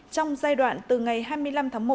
trong giai đoạn từ ngày hai mươi năm tháng một